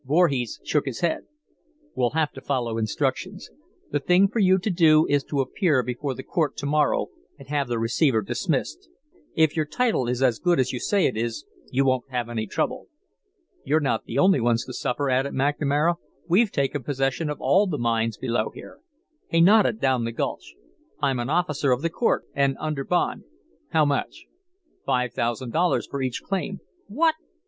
Voorhees shook his head. "We'll have to follow instructions. The thing for you to do is to appear before the court to morrow and have the receiver dismissed. If your title is as good as you say it is, you won't have any trouble." "You're not the only ones to suffer," added McNamara. "We've taken possession of all the mines below here." He nodded down the gulch. "I'm an officer of the court and under bond " "How much?" "Five thousand dollars for each claim." "What!